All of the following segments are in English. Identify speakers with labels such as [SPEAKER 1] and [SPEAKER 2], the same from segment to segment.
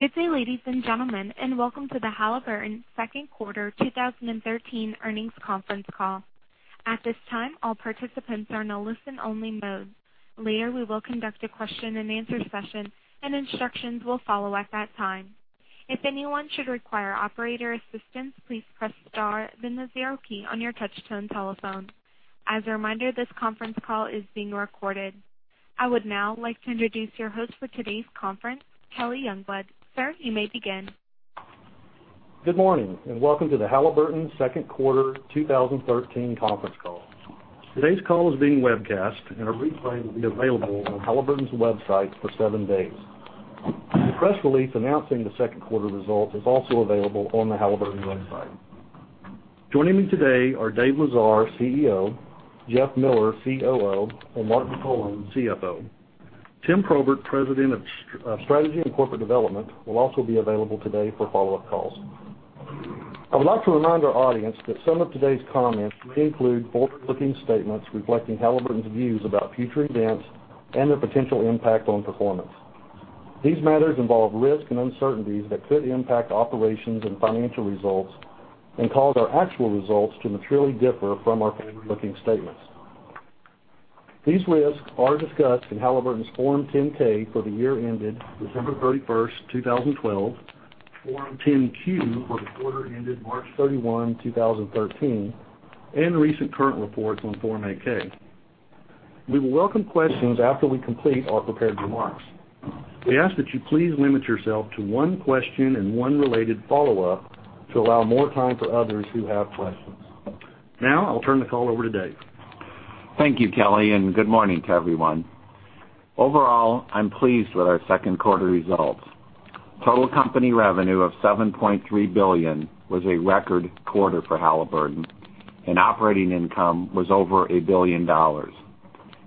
[SPEAKER 1] Good day, ladies and gentlemen, and welcome to the Halliburton second quarter 2013 earnings conference call. At this time, all participants are in a listen-only mode. Later, we will conduct a question and answer session, and instructions will follow at that time. If anyone should require operator assistance, please press star then the zero key on your touch-tone telephone. As a reminder, this conference call is being recorded. I would now like to introduce your host for today's conference, Kelly Youngblood. Sir, you may begin.
[SPEAKER 2] Good morning, welcome to the Halliburton second quarter 2013 conference call. Today's call is being webcast, and a replay will be available on Halliburton's website for seven days. The press release announcing the second quarter results is also available on the Halliburton website. Joining me today are Dave Lesar, CEO, Jeff Miller, COO, and Mark McCollum, CFO. Tim Probert, President of Strategy and Corporate Development, will also be available today for follow-up calls. I would like to remind our audience that some of today's comments may include forward-looking statements reflecting Halliburton's views about future events and their potential impact on performance. These matters involve risks and uncertainties that could impact operations and financial results and cause our actual results to materially differ from our forward-looking statements. These risks are discussed in Halliburton's Form 10-K for the year ended December 31st, 2012, Form 10-Q for the quarter ended March 31, 2013, and recent current reports on Form 8-K. We will welcome questions after we complete our prepared remarks. We ask that you please limit yourself to one question and one related follow-up to allow more time for others who have questions. I'll turn the call over to Dave.
[SPEAKER 3] Thank you, Kelly, good morning to everyone. Overall, I'm pleased with our second quarter results. Total company revenue of $7.3 billion was a record quarter for Halliburton, and operating income was over a billion dollars.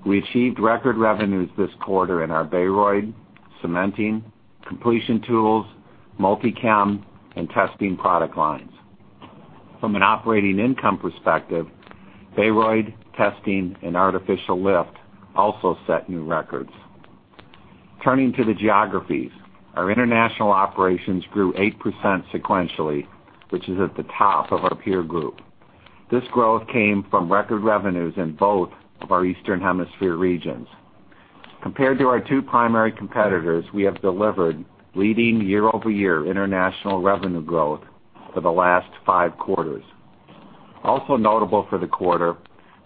[SPEAKER 3] We achieved record revenues this quarter in our Baroid, cementing, completion tools, Multi-Chem, and testing product lines. From an operating income perspective, Baroid, testing, and artificial lift also set new records. Turning to the geographies, our international operations grew 8% sequentially, which is at the top of our peer group. Compared to our two primary competitors, we have delivered leading year-over-year international revenue growth for the last five quarters. Also notable for the quarter,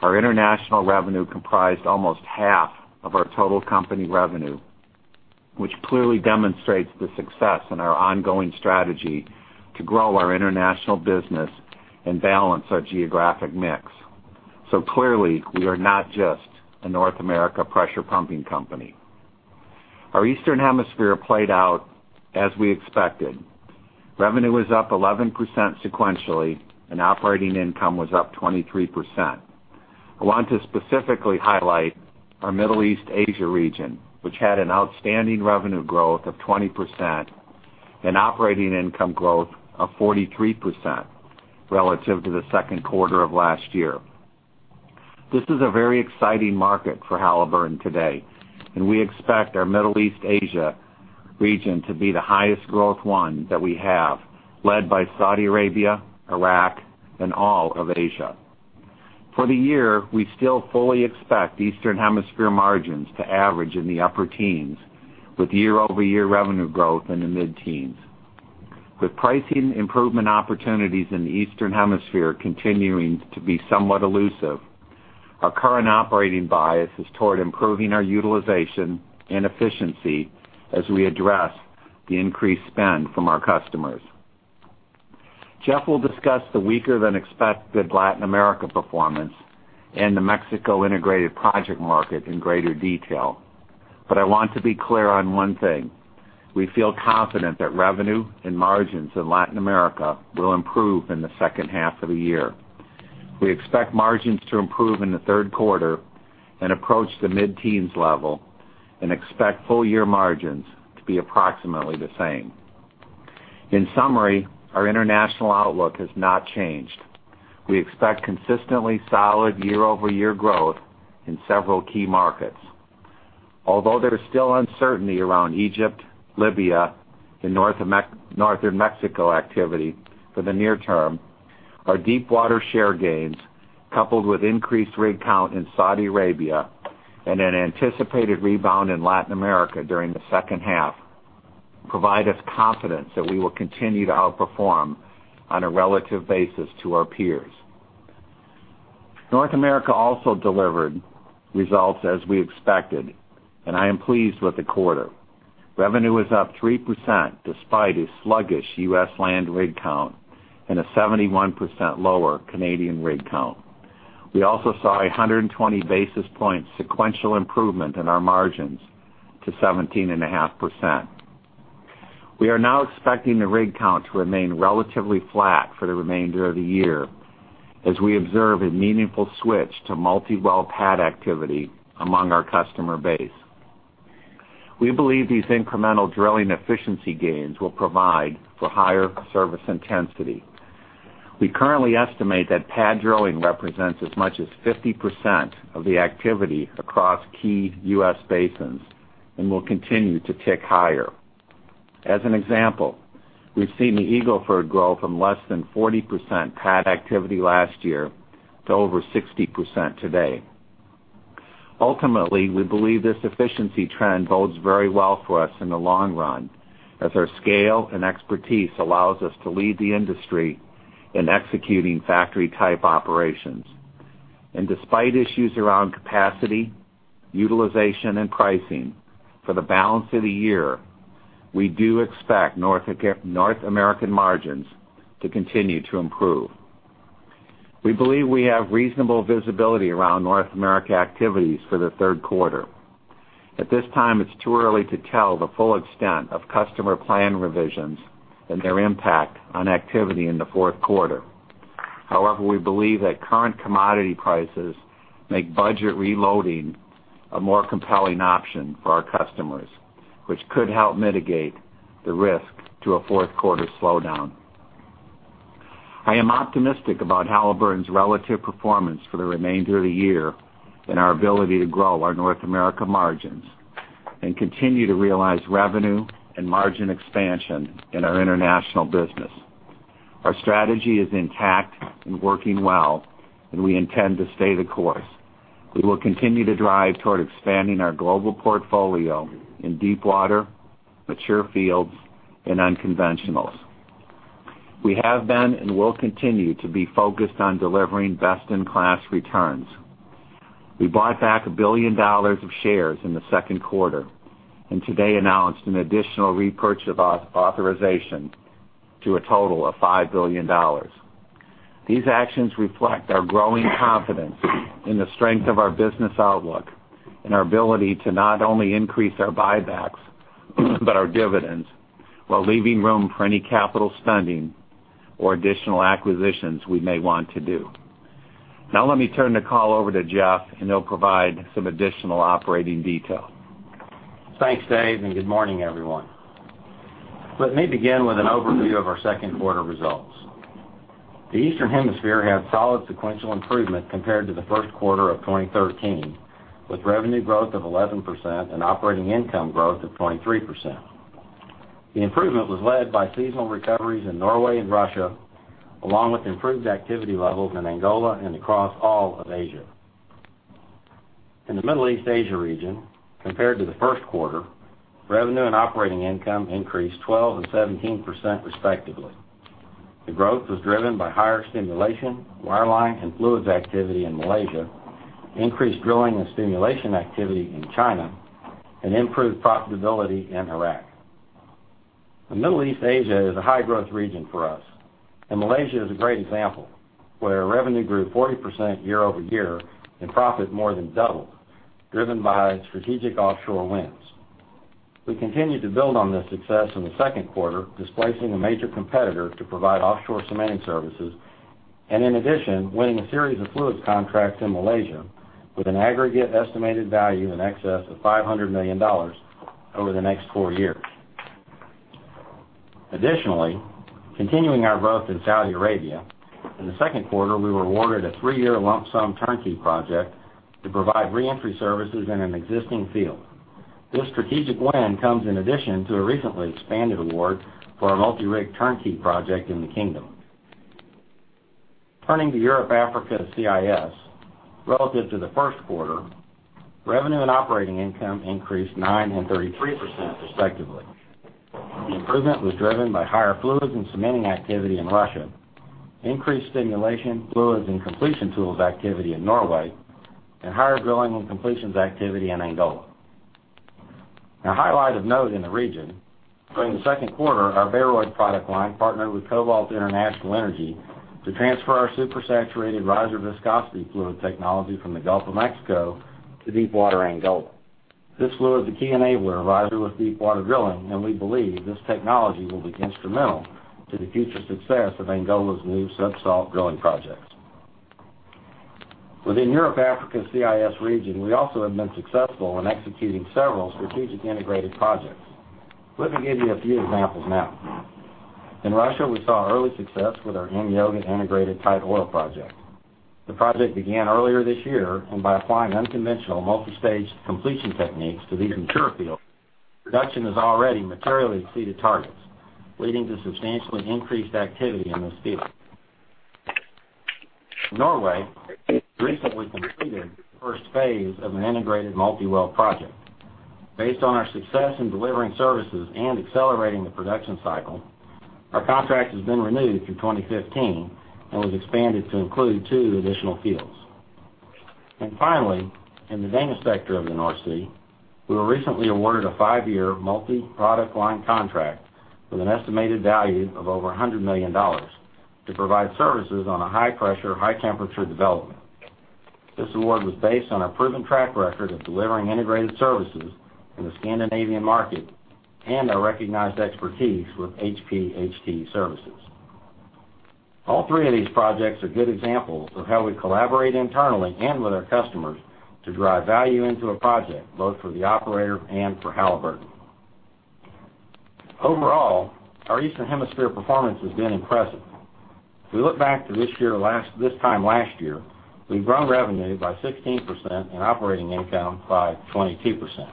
[SPEAKER 3] our international revenue comprised almost half of our total company revenue, which clearly demonstrates the success in our ongoing strategy to grow our international business and balance our geographic mix. Clearly, we are not just a North America pressure pumping company. Our Eastern Hemisphere played out as we expected. Revenue was up 11% sequentially, and operating income was up 23%. I want to specifically highlight our Middle East/Asia region, which had an outstanding revenue growth of 20% and operating income growth of 43% relative to the second quarter of last year. This is a very exciting market for Halliburton today, and we expect our Middle East/Asia region to be the highest growth one that we have, led by Saudi Arabia, Iraq, and all of Asia. For the year, we still fully expect Eastern Hemisphere margins to average in the upper teens, with year-over-year revenue growth in the mid-teens. With pricing improvement opportunities in the Eastern Hemisphere continuing to be somewhat elusive, our current operating bias is toward improving our utilization and efficiency as we address the increased spend from our customers. Jeff will discuss the weaker than expected Latin America performance and the Mexico integrated project market in greater detail, but I want to be clear on one thing. We feel confident that revenue and margins in Latin America will improve in the second half of the year. We expect margins to improve in the third quarter and approach the mid-teens level and expect full year margins to be approximately the same. In summary, our international outlook has not changed. We expect consistently solid year-over-year growth in several key markets. Although there is still uncertainty around Egypt, Libya, and Northern Mexico activity for the near term, our deep water share gains, coupled with increased rig count in Saudi Arabia and an anticipated rebound in Latin America during the second half, provide us confidence that we will continue to outperform on a relative basis to our peers. North America also delivered results as we expected, and I am pleased with the quarter. Revenue was up 3% despite a sluggish U.S. land rig count and a 71% lower Canadian rig count. We also saw 120 basis point sequential improvement in our margins to 17.5%. We are now expecting the rig count to remain relatively flat for the remainder of the year, as we observe a meaningful switch to multi-well pad activity among our customer base. We believe these incremental drilling efficiency gains will provide for higher service intensity. We currently estimate that pad drilling represents as much as 50% of the activity across key U.S. basins and will continue to tick higher. As an example, we've seen the Eagle Ford grow from less than 40% pad activity last year to over 60% today. Ultimately, we believe this efficiency trend bodes very well for us in the long run, as our scale and expertise allows us to lead the industry in executing factory-type operations. Despite issues around capacity, utilization, and pricing for the balance of the year, we do expect North American margins to continue to improve. We believe we have reasonable visibility around North America activities for the third quarter. At this time, it's too early to tell the full extent of customer plan revisions and their impact on activity in the fourth quarter. We believe that current commodity prices make budget reloading a more compelling option for our customers, which could help mitigate the risk to a fourth quarter slowdown. I am optimistic about Halliburton's relative performance for the remainder of the year and our ability to grow our North America margins and continue to realize revenue and margin expansion in our international business. Our strategy is intact and working well, and we intend to stay the course. We will continue to drive toward expanding our global portfolio in deepwater, mature fields, and unconventionals. We have been and will continue to be focused on delivering best-in-class returns. We bought back $1 billion of shares in the second quarter and today announced an additional repurchase authorization to a total of $5 billion. These actions reflect our growing confidence in the strength of our business outlook and our ability to not only increase our buybacks, but our dividends, while leaving room for any capital spending or additional acquisitions we may want to do. Let me turn the call over to Jeff, and he'll provide some additional operating detail.
[SPEAKER 4] Thanks, Dave, and good morning, everyone. Let me begin with an overview of our second quarter results. The Eastern Hemisphere had solid sequential improvement compared to the first quarter of 2013, with revenue growth of 11% and operating income growth of 23%. The improvement was led by seasonal recoveries in Norway and Russia, along with improved activity levels in Angola and across all of Asia. In the Middle East Asia region, compared to the first quarter, revenue and operating income increased 12% and 17%, respectively. The growth was driven by higher stimulation, wireline, and fluids activity in Malaysia, increased drilling and stimulation activity in China, and improved profitability in Iraq. The Middle East Asia is a high-growth region for us, and Malaysia is a great example, where our revenue grew 40% year-over-year and profit more than doubled, driven by strategic offshore wins. We continued to build on this success in the second quarter, displacing a major competitor to provide offshore cementing services and in addition, winning a series of fluids contracts in Malaysia with an aggregate estimated value in excess of $500 million over the next four years. Additionally, continuing our growth in Saudi Arabia, in the second quarter, we were awarded a three-year lump sum turnkey project to provide reentry services in an existing field. This strategic win comes in addition to a recently expanded award for a multi-rig turnkey project in the Kingdom. Turning to Europe, Africa, and CIS, relative to the first quarter, revenue and operating income increased 9% and 33% respectively. The improvement was driven by higher fluids and cementing activity in Russia, increased stimulation, fluids, and completion tools activity in Norway, and higher drilling and completions activity in Angola. A highlight of note in the region, during the second quarter, our Baroid product line partnered with Cobalt International Energy to transfer our supersaturated riser viscosity fluid technology from the Gulf of Mexico to deepwater Angola. This fluid is a key enabler of riser with deepwater drilling, and we believe this technology will be instrumental to the future success of Angola's new subsalt drilling projects. Within Europe, Africa, CIS region, we also have been successful in executing several strategic integrated projects. Let me give you a few examples now. In Russia, we saw early success with our Em-Yoga integrated tight oil project. The project began earlier this year, and by applying unconventional multi-stage completion techniques to these mature fields, production has already materially exceeded targets, leading to substantially increased activity in this field. In Norway, we recently completed the first phase of an integrated multi-well project. Based on our success in delivering services and accelerating the production cycle, our contract has been renewed through 2015 and was expanded to include two additional fields. Finally, in the Danish sector of the North Sea, we were recently awarded a five-year multi-product line contract with an estimated value of over $100 million to provide services on a high-pressure, high-temperature development. This award was based on our proven track record of delivering integrated services in the Scandinavian market and our recognized expertise with HPHT services. All three of these projects are good examples of how we collaborate internally and with our customers to drive value into a project, both for the operator and for Halliburton. Overall, our Eastern Hemisphere performance has been impressive. If we look back to this time last year, we've grown revenue by 16% and operating income by 22%.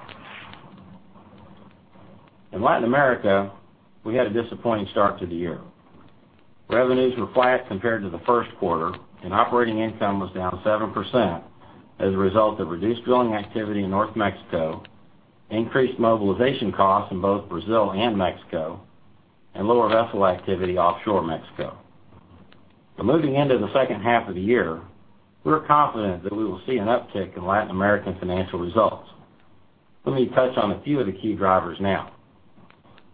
[SPEAKER 4] In Latin America, we had a disappointing start to the year. Revenues were flat compared to the first quarter, and operating income was down 7% as a result of reduced drilling activity in North Mexico, increased mobilization costs in both Brazil and Mexico, and lower vessel activity offshore Mexico. Moving into the second half of the year, we're confident that we will see an uptick in Latin American financial results. Let me touch on a few of the key drivers now.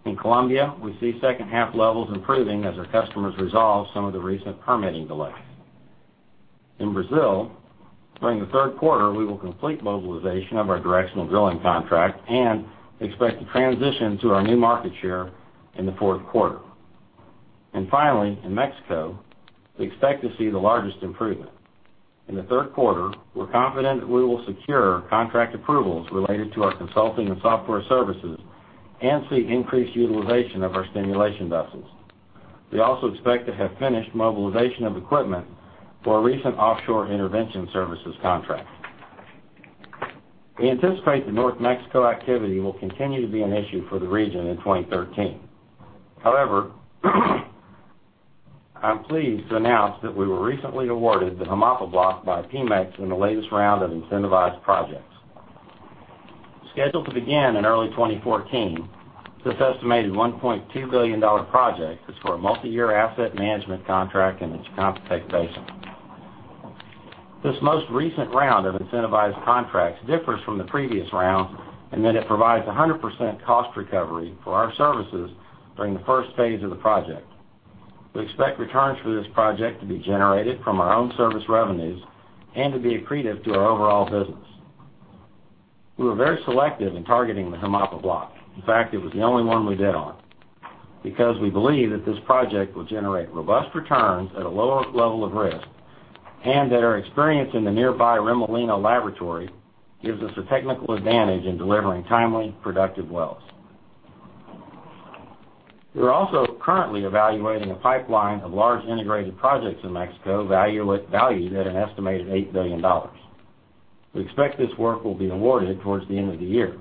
[SPEAKER 4] In Colombia, we see second half levels improving as our customers resolve some of the recent permitting delays. In Brazil, during the third quarter, we will complete mobilization of our directional drilling contract and expect to transition to our new market share in the fourth quarter. Finally, in Mexico, we expect to see the largest improvement. In the third quarter, we're confident that we will secure contract approvals related to our consulting and software services and see increased utilization of our stimulation vessels. We also expect to have finished mobilization of equipment for a recent offshore intervention services contract. We anticipate the North Mexico activity will continue to be an issue for the region in 2013. However, I'm pleased to announce that we were recently awarded the Jumapa block by Pemex in the latest round of incentivized projects. Scheduled to begin in early 2014, this estimated $1.2 billion project is for a multi-year asset management contract in its Chicontepec basin. This most recent round of incentivized contracts differs from the previous round in that it provides 100% cost recovery for our services during the first phase of the project. We expect returns for this project to be generated from our own service revenues and to be accretive to our overall business. We were very selective in targeting the Jumapa block. In fact, it was the only one we bid on. We believe that this project will generate robust returns at a lower level of risk, and that our experience in the nearby Remolina laboratory gives us a technical advantage in delivering timely, productive wells. We are also currently evaluating a pipeline of large integrated projects in Mexico valued at an estimated $8 billion. We expect this work will be awarded towards the end of the year.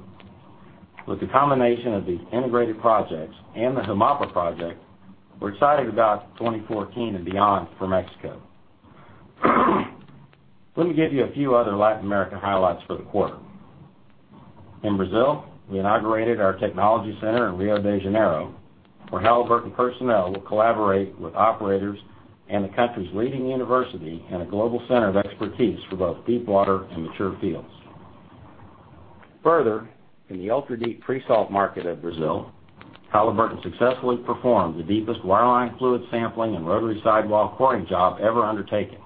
[SPEAKER 4] With the combination of these integrated projects and the Jumapa project, we're excited about 2014 and beyond for Mexico. Let me give you a few other Latin America highlights for the quarter. In Brazil, we inaugurated our technology center in Rio de Janeiro, where Halliburton personnel will collaborate with operators and the country's leading university in a global center of expertise for both deepwater and mature fields. Further, in the ultra-deep pre-salt market of Brazil, Halliburton successfully performed the deepest wireline fluid sampling and rotary sidewall coring job ever undertaken.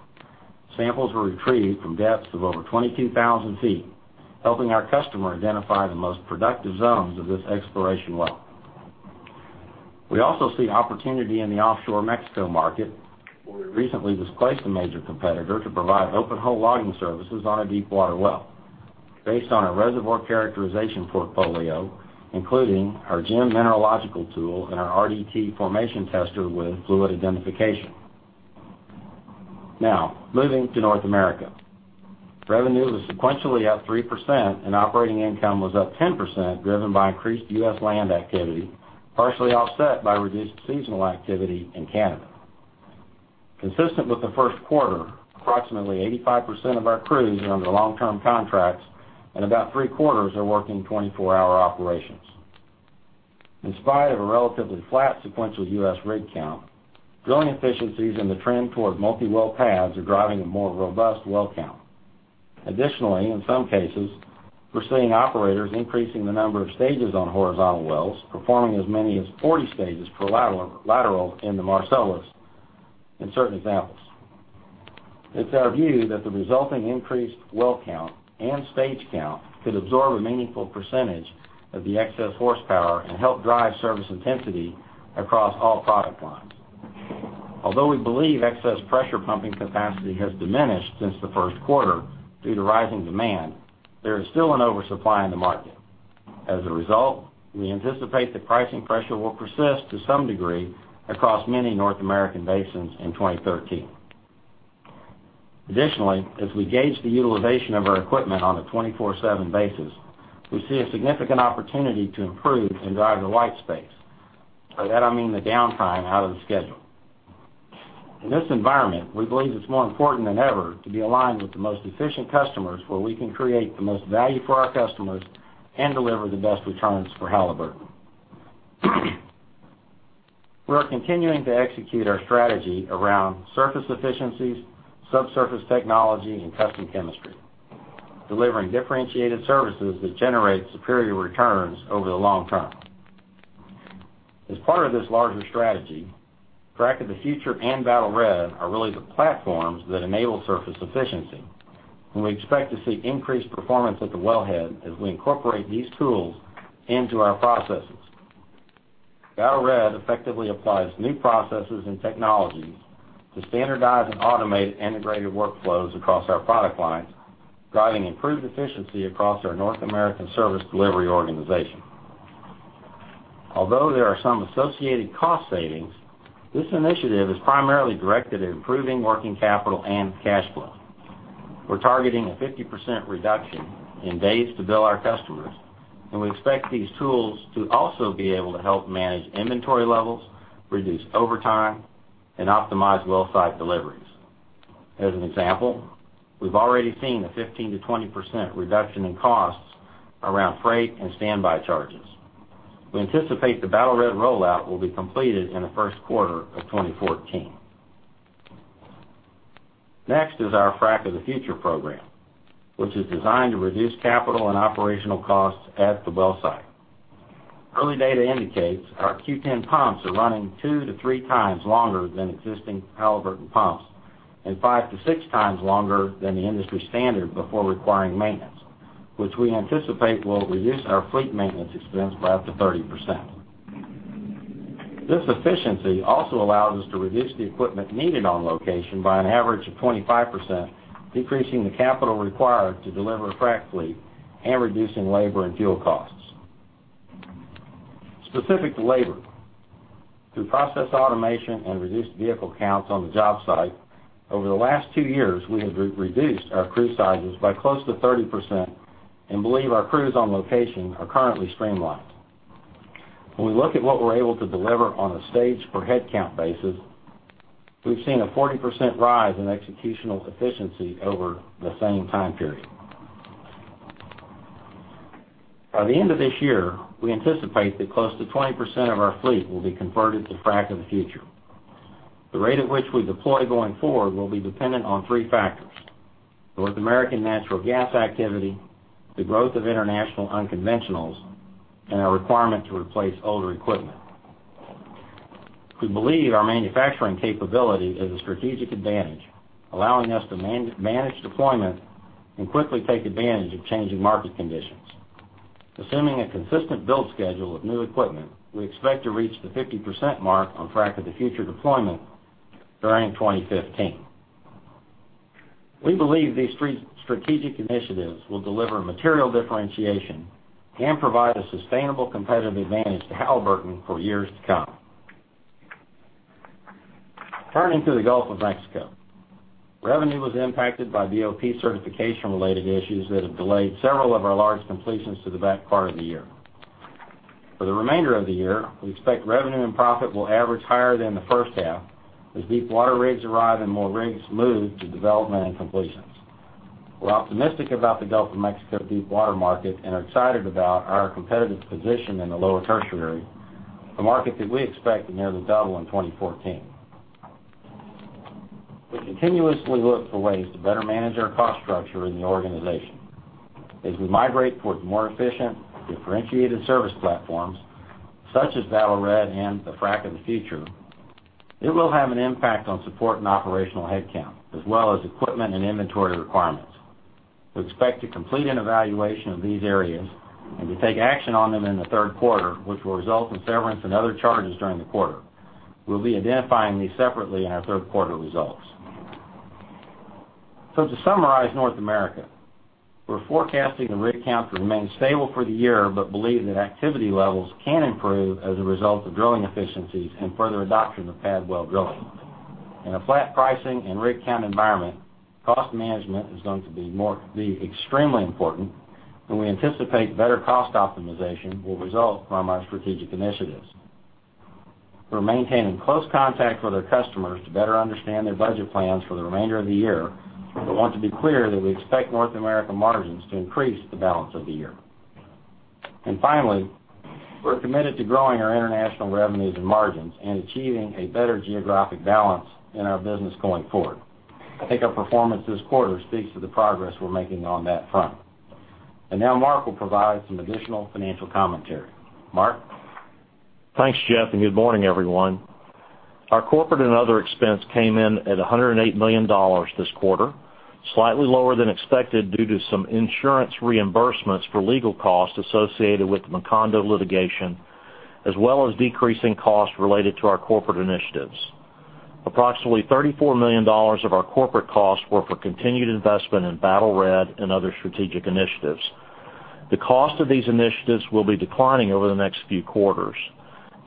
[SPEAKER 4] Samples were retrieved from depths of over 22,000 feet, helping our customer identify the most productive zones of this exploration well. We also see opportunity in the offshore Mexico market, where we recently displaced a major competitor to provide open hole logging services on a deepwater well based on our reservoir characterization portfolio, including our GEM mineralogical tool and our RDT formation tester with fluid identification. Moving to North America. Revenue was sequentially up 3% and operating income was up 10%, driven by increased U.S. land activity, partially offset by reduced seasonal activity in Canada. Consistent with the first quarter, approximately 85% of our crews are under long-term contracts and about three-quarters are working 24-hour operations. In spite of a relatively flat sequential U.S. rig count, drilling efficiencies and the trend towards multi-well pads are driving a more robust well count. Additionally, in some cases, we're seeing operators increasing the number of stages on horizontal wells, performing as many as 40 stages per lateral in the Marcellus in certain examples. It's our view that the resulting increased well count and stage count could absorb a meaningful percentage of the excess horsepower and help drive service intensity across all product lines. We believe excess pressure pumping capacity has diminished since the first quarter due to rising demand, there is still an oversupply in the market. We anticipate that pricing pressure will persist to some degree across many North American basins in 2013. As we gauge the utilization of our equipment on a 24/7 basis, we see a significant opportunity to improve and drive the white space. By that, I mean the downtime out of the schedule. In this environment, we believe it's more important than ever to be aligned with the most efficient customers where we can create the most value for our customers and deliver the best returns for Halliburton. We are continuing to execute our strategy around surface efficiencies, subsurface technology, and custom chemistry, delivering differentiated services that generate superior returns over the long term. As part of this larger strategy, Frac of the Future and Battle Red are really the platforms that enable surface efficiency. We expect to see increased performance at the wellhead as we incorporate these tools into our processes. Battle Red effectively applies new processes and technologies to standardize and automate integrated workflows across our product lines, driving improved efficiency across our North American service delivery organization. Although there are some associated cost savings, this initiative is primarily directed at improving working capital and cash flow. We're targeting a 50% reduction in days to bill our customers. We expect these tools to also be able to help manage inventory levels, reduce overtime, and optimize well site deliveries. As an example, we've already seen a 15%-20% reduction in costs around freight and standby charges. We anticipate the Battle Red rollout will be completed in the first quarter of 2014. Next is our Frac of the Future program, which is designed to reduce capital and operational costs at the well site. Early data indicates our Q10 pumps are running two to three times longer than existing Halliburton pumps and five to six times longer than the industry standard before requiring maintenance, which we anticipate will reduce our fleet maintenance expense by up to 30%. This efficiency also allows us to reduce the equipment needed on location by an average of 25%, decreasing the capital required to deliver a frac fleet and reducing labor and fuel costs. Specific to labor, through process automation and reduced vehicle counts on the job site, over the last two years, we have reduced our crew sizes by close to 30% and believe our crews on location are currently streamlined. When we look at what we're able to deliver on a stage per headcount basis, we've seen a 40% rise in executional efficiency over the same time period. By the end of this year, we anticipate that close to 20% of our fleet will be converted to Frac of the Future. The rate at which we deploy going forward will be dependent on three factors: North American natural gas activity, the growth of international unconventionals, and our requirement to replace older equipment. We believe our manufacturing capability is a strategic advantage, allowing us to manage deployment and quickly take advantage of changing market conditions. Assuming a consistent build schedule of new equipment, we expect to reach the 50% mark on Frac of the Future deployment during 2015. We believe these three strategic initiatives will deliver material differentiation and provide a sustainable competitive advantage to Halliburton for years to come. Turning to the Gulf of Mexico. Revenue was impacted by BOP certification related issues that have delayed several of our large completions to the back part of the year. For the remainder of the year, we expect revenue and profit will average higher than the first half as deepwater rigs arrive and more rigs move to development and completions. We're optimistic about the Gulf of Mexico deepwater market and are excited about our competitive position in the Lower Tertiary, a market that we expect to nearly double in 2014. We continuously look for ways to better manage our cost structure in the organization. As we migrate towards more efficient, differentiated service platforms, such as Battle Red and the Frac of the Future, it will have an impact on support and operational headcount, as well as equipment and inventory requirements. To summarize North America, we're forecasting the rig count to remain stable for the year, but believe that activity levels can improve as a result of drilling efficiencies and further adoption of pad well drilling. In a flat pricing and rig count environment, cost management is going to be extremely important, and we anticipate better cost optimization will result from our strategic initiatives. We're maintaining close contact with our customers to better understand their budget plans for the remainder of the year, but want to be clear that we expect North America margins to increase the balance of the year. Finally, we're committed to growing our international revenues and margins and achieving a better geographic balance in our business going forward. I think our performance this quarter speaks to the progress we're making on that front. Now Jeff will provide some additional financial commentary. Mark?
[SPEAKER 5] Thanks, Jeff, and good morning, everyone. Our corporate and other expense came in at $108 million this quarter, slightly lower than expected due to some insurance reimbursements for legal costs associated with the Macondo litigation, as well as decreasing costs related to our corporate initiatives. Approximately $34 million of our corporate costs were for continued investment in Battle Red and other strategic initiatives. The cost of these initiatives will be declining over the next few quarters.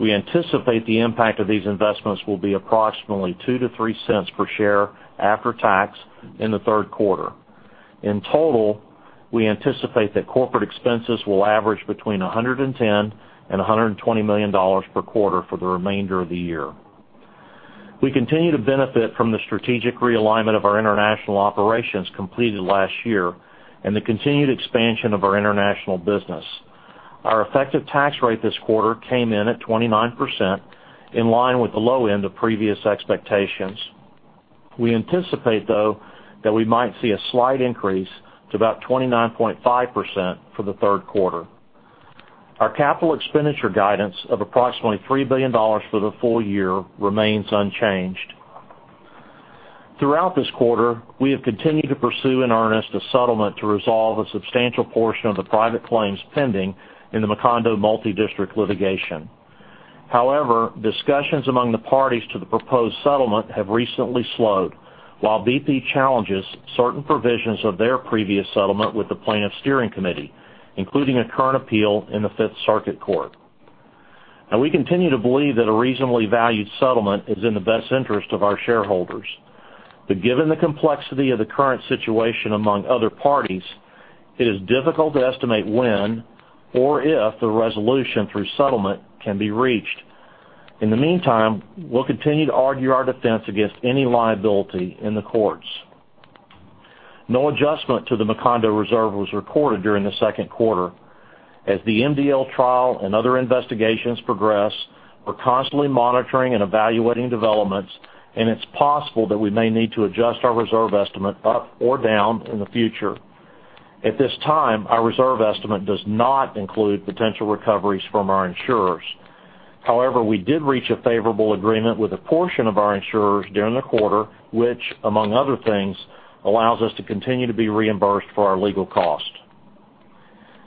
[SPEAKER 5] We anticipate the impact of these investments will be approximately $0.02-$0.03 per share after tax in the third quarter. In total, we anticipate that corporate expenses will average between $110 million-$120 million per quarter for the remainder of the year. We continue to benefit from the strategic realignment of our international operations completed last year and the continued expansion of our international business. Our effective tax rate this quarter came in at 29%, in line with the low end of previous expectations. We anticipate, though, that we might see a slight increase to about 29.5% for the third quarter. Our capital expenditure guidance of approximately $3 billion for the full year remains unchanged. Throughout this quarter, we have continued to pursue in earnest a settlement to resolve a substantial portion of the private claims pending in the Macondo multi-district litigation. Discussions among the parties to the proposed settlement have recently slowed, while BP challenges certain provisions of their previous settlement with the plaintiffs' steering committee, including a current appeal in the Fifth Circuit Court. We continue to believe that a reasonably valued settlement is in the best interest of our shareholders. Given the complexity of the current situation among other parties, it is difficult to estimate when or if the resolution through settlement can be reached. In the meantime, we'll continue to argue our defense against any liability in the courts. No adjustment to the Macondo reserve was recorded during the second quarter. As the MDL trial and other investigations progress, we're constantly monitoring and evaluating developments, and it's possible that we may need to adjust our reserve estimate up or down in the future. At this time, our reserve estimate does not include potential recoveries from our insurers. However, we did reach a favorable agreement with a portion of our insurers during the quarter, which, among other things, allows us to continue to be reimbursed for our legal cost.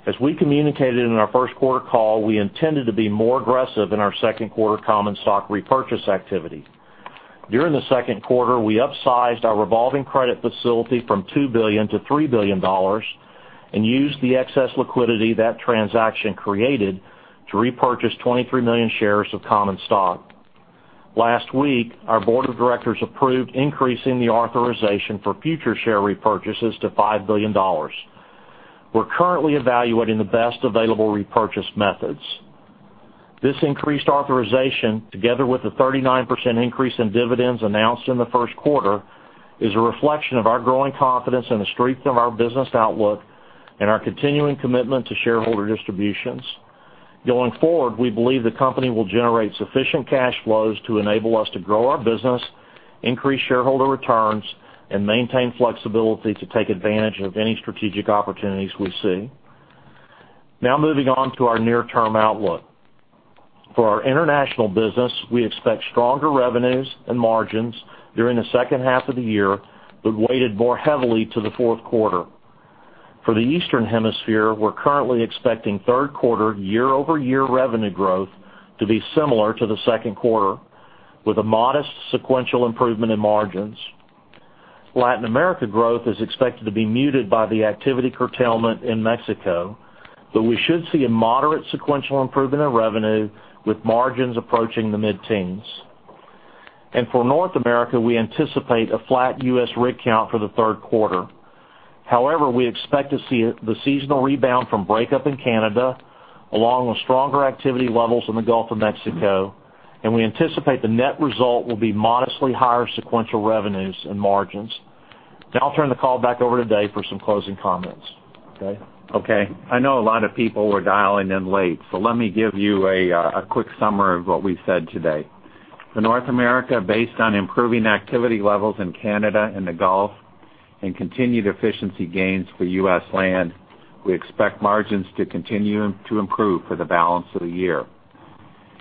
[SPEAKER 5] As we communicated in our first quarter call, we intended to be more aggressive in our second quarter common stock repurchase activity. During the second quarter, we upsized our revolving credit facility from $2 billion to $3 billion, and used the excess liquidity that transaction created to repurchase 23 million shares of common stock. Last week, our board of directors approved increasing the authorization for future share repurchases to $5 billion. We're currently evaluating the best available repurchase methods. This increased authorization, together with the 39% increase in dividends announced in the first quarter, is a reflection of our growing confidence in the strength of our business outlook and our continuing commitment to shareholder distributions. Going forward, we believe the company will generate sufficient cash flows to enable us to grow our business, increase shareholder returns, and maintain flexibility to take advantage of any strategic opportunities we see. Moving on to our near-term outlook. For our international business, we expect stronger revenues and margins during the second half of the year, weighted more heavily to the fourth quarter. For the Eastern Hemisphere, we're currently expecting third quarter year-over-year revenue growth to be similar to the second quarter, with a modest sequential improvement in margins. Latin America growth is expected to be muted by the activity curtailment in Mexico, we should see a moderate sequential improvement in revenue, with margins approaching the mid-teens. For North America, we anticipate a flat U.S. rig count for the third quarter. However, we expect to see the seasonal rebound from breakup in Canada, along with stronger activity levels in the Gulf of Mexico, we anticipate the net result will be modestly higher sequential revenues and margins. I'll turn the call back over to Dave for some closing comments. Dave?
[SPEAKER 3] Okay. I know a lot of people were dialing in late, so let me give you a quick summary of what we said today. For North America, based on improving activity levels in Canada and the Gulf, and continued efficiency gains for U.S. land, we expect margins to continue to improve for the balance of the year.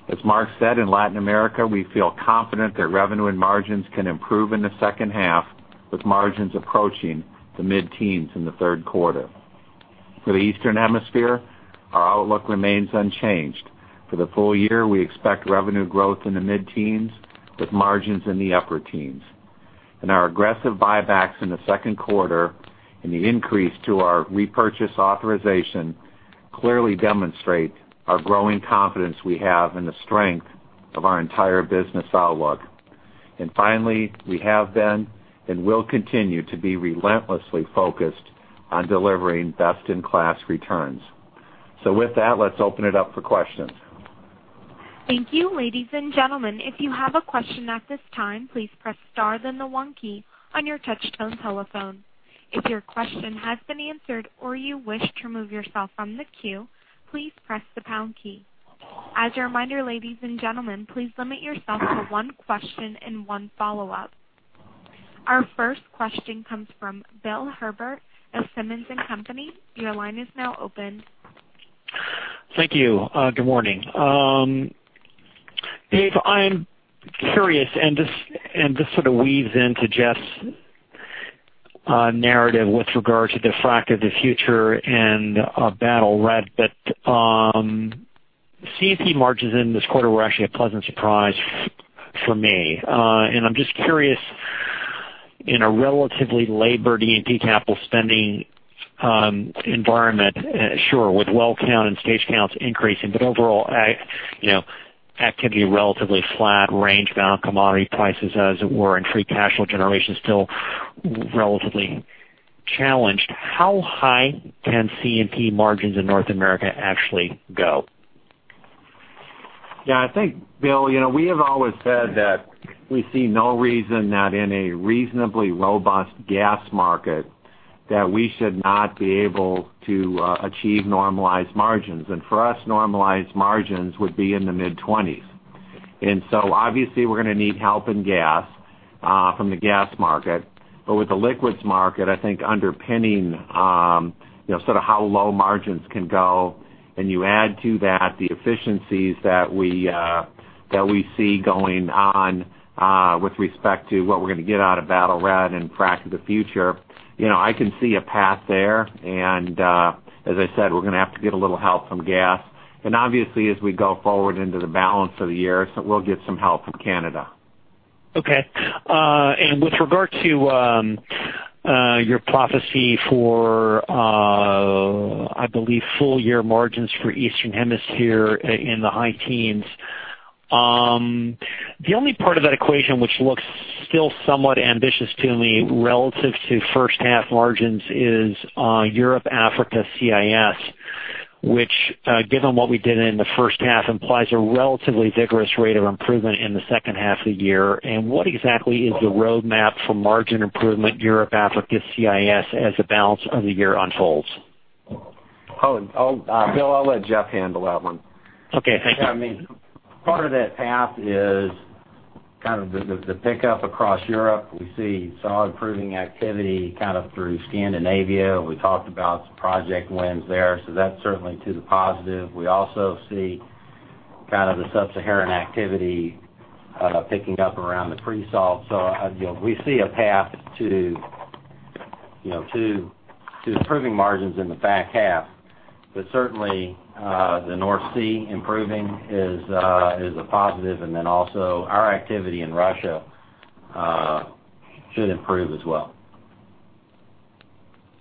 [SPEAKER 3] As Mark said, in Latin America, we feel confident that revenue and margins can improve in the second half, with margins approaching the mid-teens in the third quarter. For the Eastern Hemisphere, our outlook remains unchanged. For the full year, we expect revenue growth in the mid-teens, with margins in the upper teens. Our aggressive buybacks in the second quarter and the increase to our repurchase authorization clearly demonstrate our growing confidence we have in the strength of our entire business outlook. Finally, we have been and will continue to be relentlessly focused on delivering best-in-class returns. With that, let's open it up for questions.
[SPEAKER 1] Thank you. Ladies and gentlemen, if you have a question at this time, please press star, then the 1 key on your touchtone telephone. If your question has been answered or you wish to remove yourself from the queue, please press the pound key. As a reminder, ladies and gentlemen, please limit yourself to one question and one follow-up. Our first question comes from Bill Herbert of Simmons & Company. Your line is now open.
[SPEAKER 6] Thank you. Good morning. Dave, I'm curious, and this sort of weaves into Jeff's narrative with regard to the Frac of the Future and Battle Red, but C&P margins in this quarter were actually a pleasant surprise for me. I'm just curious, in a relatively labored E&P capital spending environment, sure, with well count and stage counts increasing, but overall, activity relatively flat, range-bound commodity prices, as it were, and free cash flow generation still relatively challenged. How high can C&P margins in North America actually go?
[SPEAKER 3] I think, Bill, we have always said that we see no reason that in a reasonably robust gas market that we should not be able to achieve normalized margins. For us, normalized margins would be in the mid-20s. Obviously, we're going to need help in gas from the gas market. With the liquids market, I think underpinning sort of how low margins can go, you add to that the efficiencies that we see going on with respect to what we're going to get out of Battle Red and Frac of the Future, I can see a path there. As I said, we're going to have to get a little help from gas. Obviously, as we go forward into the balance of the year, we'll get some help from Canada
[SPEAKER 6] Okay. With regard to your prophecy for, I believe full year margins for Eastern Hemisphere in the high teens. The only part of that equation which looks still somewhat ambitious to me relative to first half margins is Europe, Africa, CIS, which given what we did in the first half, implies a relatively vigorous rate of improvement in the second half of the year. What exactly is the roadmap for margin improvement Europe, Africa, CIS, as the balance of the year unfolds?
[SPEAKER 5] Bill, I'll let Jeff handle that one.
[SPEAKER 6] Okay. Thank you.
[SPEAKER 4] Part of that path is kind of the pickup across Europe. We see solid proving activity kind of through Scandinavia. We talked about some project wins there, so that's certainly to the positive. We also see kind of the sub-Saharan activity picking up around the pre-salt. We see a path to improving margins in the back half. Certainly, the North Sea improving is a positive, also our activity in Russia should improve as well.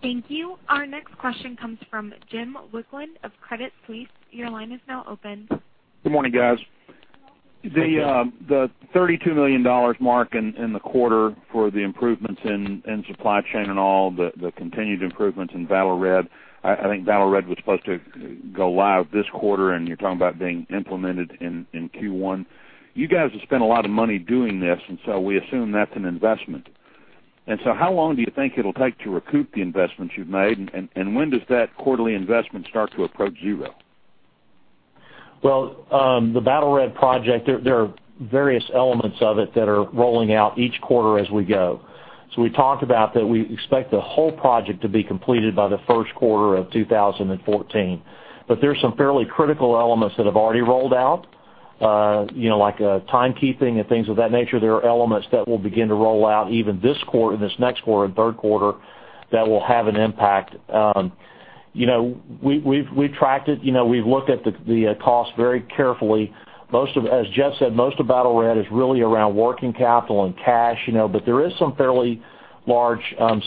[SPEAKER 1] Thank you. Our next question comes from Jim Wicklund of Credit Suisse. Your line is now open.
[SPEAKER 7] Good morning, guys. The $32 million mark in the quarter for the improvements in supply chain and all the continued improvements in Battle Red. I think Battle Red was supposed to go live this quarter. You're talking about being implemented in Q1. You guys have spent a lot of money doing this. We assume that's an investment. How long do you think it'll take to recoup the investments you've made, and when does that quarterly investment start to approach zero?
[SPEAKER 5] The Battle Red project, there are various elements of it that are rolling out each quarter as we go. We talked about that we expect the whole project to be completed by the first quarter of 2014. There's some fairly critical elements that have already rolled out like timekeeping and things of that nature. There are elements that will begin to roll out even this quarter, this next quarter, third quarter, that will have an impact. We've tracked it. We've looked at the cost very carefully. As Jeff said, most of Battle Red is really around working capital and cash. There is some fairly large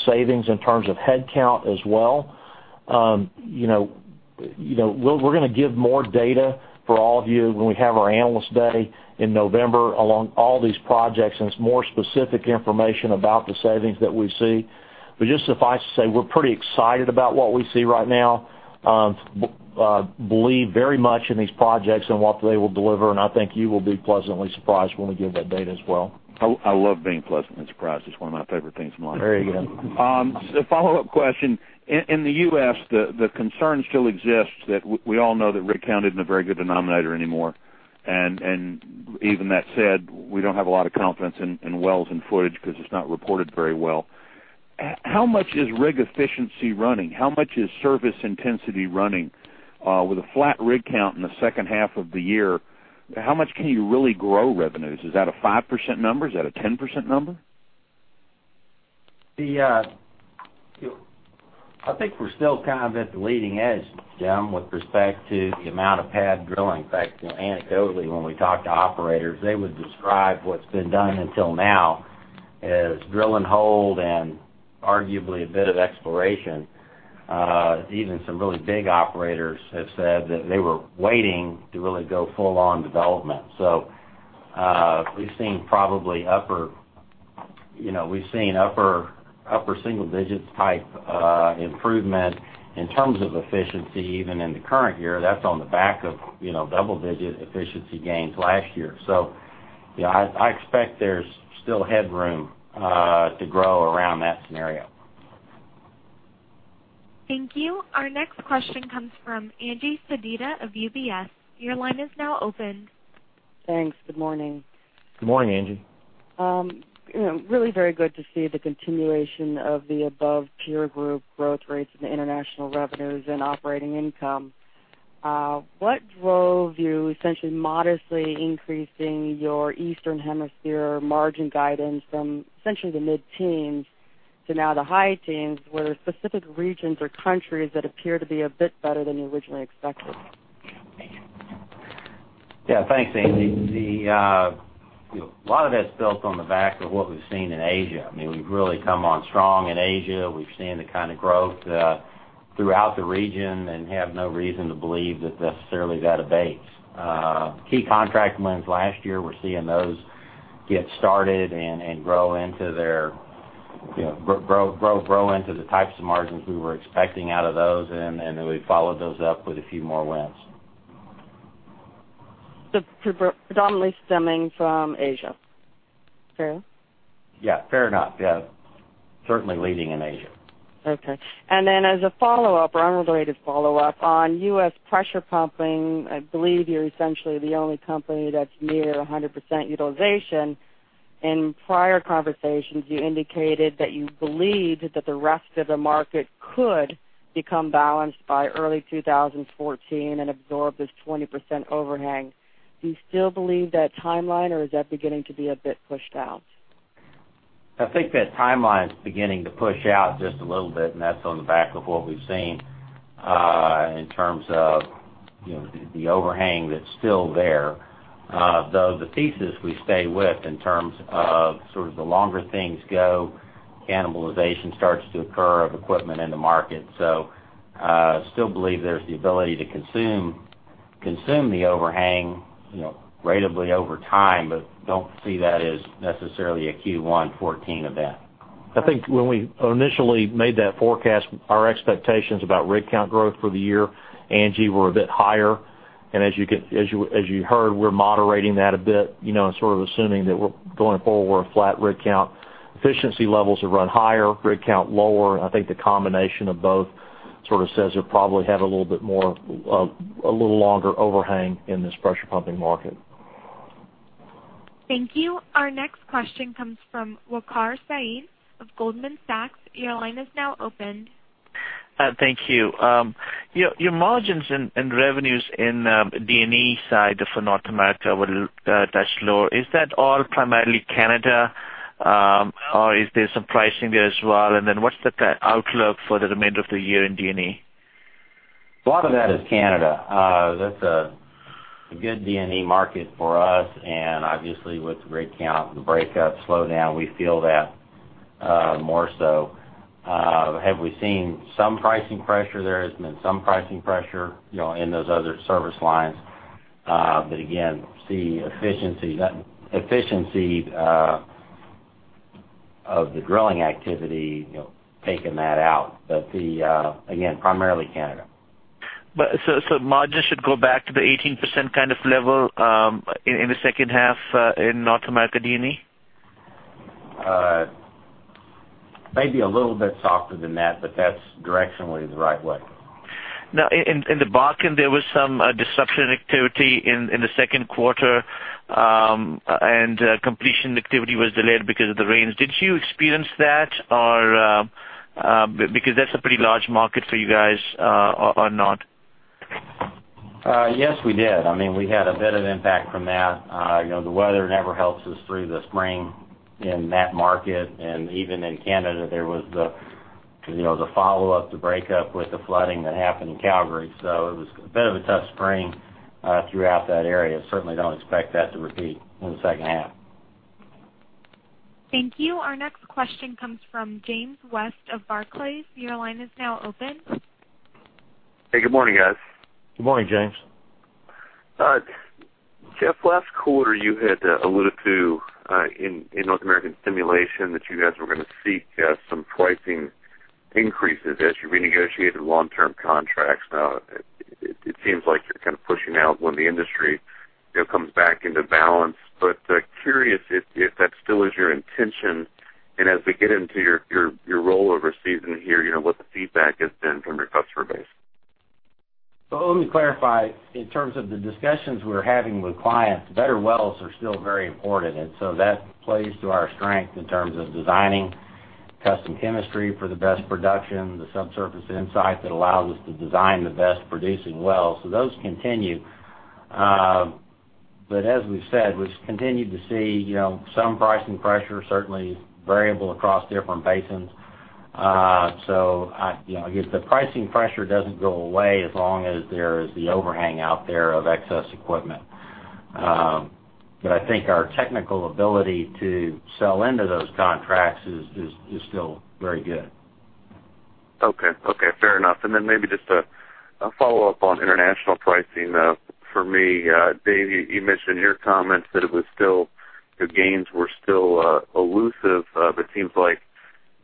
[SPEAKER 5] savings in terms of headcount as well. We're going to give more data for all of you when we have our Analyst Day in November along all these projects, it's more specific information about the savings that we see. Just suffice to say, we're pretty excited about what we see right now. Believe very much in these projects and what they will deliver, and I think you will be pleasantly surprised when we give that data as well.
[SPEAKER 7] I love being pleasantly surprised. It's one of my favorite things in life.
[SPEAKER 5] Very good.
[SPEAKER 7] Follow-up question. In the U.S., the concern still exists that we all know that rig count isn't a very good denominator anymore. Even that said, we don't have a lot of confidence in wells and footage because it's not reported very well. How much is rig efficiency running? How much is service intensity running? With a flat rig count in the second half of the year, how much can you really grow revenues? Is that a 5% number? Is that a 10% number?
[SPEAKER 4] I think we're still kind of at the leading edge, Jim, with respect to the amount of pad drilling. In fact, anecdotally, when we talk to operators, they would describe what's been done until now as drill and hold and arguably a bit of exploration. Even some really big operators have said that they were waiting to really go full on development. We've seen probably upper single digits type improvement in terms of efficiency even in the current year. That's on the back of double-digit efficiency gains last year. I expect there's still headroom to grow around that scenario.
[SPEAKER 1] Thank you. Our next question comes from Angie Sedita of UBS. Your line is now open.
[SPEAKER 8] Thanks. Good morning.
[SPEAKER 5] Good morning, Angie.
[SPEAKER 8] Really very good to see the continuation of the above peer group growth rates in the international revenues and operating income. What drove you essentially modestly increasing your Eastern Hemisphere margin guidance from essentially the mid-teens to now the high teens? Were there specific regions or countries that appear to be a bit better than you originally expected?
[SPEAKER 4] Yeah. Thanks, Angie. A lot of that's built on the back of what we've seen in Asia. We've really come on strong in Asia. We've seen the kind of growth throughout the region and have no reason to believe that necessarily that abates. Key contract wins last year, we're seeing those get started and grow into the types of margins we were expecting out of those, and then we followed those up with a few more wins.
[SPEAKER 8] Predominantly stemming from Asia. Fair?
[SPEAKER 4] Yeah. Fair enough. Yeah. Certainly leading in Asia.
[SPEAKER 8] Okay. As a follow-up or unrelated follow-up on U.S. pressure pumping, I believe you're essentially the only company that's near 100% utilization. In prior conversations, you indicated that you believed that the rest of the market could become balanced by early 2014 and absorb this 20% overhang. Do you still believe that timeline, or is that beginning to be a bit pushed out?
[SPEAKER 4] I think that timeline's beginning to push out just a little bit, and that's on the back of what we've seen in terms of the overhang that's still there. Though the thesis we stay with in terms of the longer things go, cannibalization starts to occur of equipment in the market. Still believe there's the ability to consume the overhang ratably over time, but don't see that as necessarily a Q1 '14 event.
[SPEAKER 3] I think when we initially made that forecast, our expectations about rig count growth for the year, Angie, were a bit higher. As you heard, we're moderating that a bit, and sort of assuming that we're going forward flat rig count. Efficiency levels have run higher, rig count lower. I think the combination of both sort of says we'll probably have a little bit more, a little longer overhang in this pressure pumping market.
[SPEAKER 1] Thank you. Our next question comes from Waqar Syed of Goldman Sachs. Your line is now open.
[SPEAKER 9] Thank you. Your margins and revenues in D&E side for North America were a touch lower. Is that all primarily Canada, or is there some pricing there as well? What's the outlook for the remainder of the year in D&E?
[SPEAKER 4] A lot of that is Canada. That's a good D&E market for us, obviously with the rig count and the breakup slowdown, we feel that more so. Have we seen some pricing pressure there? There's been some pricing pressure in those other service lines. Again, see efficiency of the drilling activity taking that out. Again, primarily Canada.
[SPEAKER 9] Margins should go back to the 18% kind of level in the second half in North America D&E?
[SPEAKER 4] Maybe a little bit softer than that's directionally the right way.
[SPEAKER 9] In the Bakken, there was some disruption activity in the second quarter. Completion activity was delayed because of the rains. Did you experience that, because that's a pretty large market for you guys, or not?
[SPEAKER 4] Yes, we did. We had a bit of impact from that. The weather never helps us through the spring in that market. Even in Canada, there was the follow up to break up with the flooding that happened in Calgary. It was a bit of a tough spring throughout that area. Certainly don't expect that to repeat in the second half.
[SPEAKER 1] Thank you. Our next question comes from James West of Barclays. Your line is now open.
[SPEAKER 10] Hey, good morning, guys.
[SPEAKER 3] Good morning, James.
[SPEAKER 10] Jeff, last quarter you had alluded to in North American stimulation that you guys were going to seek some pricing increases as you renegotiated long-term contracts. Now it seems like you're kind of pushing out when the industry comes back into balance. Curious if that still is your intention, and as we get into your rollover season here, what the feedback has been from your customer base.
[SPEAKER 4] Let me clarify. In terms of the discussions we're having with clients, better wells are still very important. That plays to our strength in terms of designing custom chemistry for the best production, the subsurface insight that allows us to design the best producing wells. Those continue. As we've said, we've continued to see some pricing pressure, certainly variable across different basins. I guess the pricing pressure doesn't go away as long as there is the overhang out there of excess equipment. I think our technical ability to sell into those contracts is still very good.
[SPEAKER 10] Okay. Fair enough. Maybe just a follow-up on international pricing. For me, Dave, you mentioned in your comments that the gains were still elusive, seems like